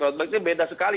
road bike itu beda sekali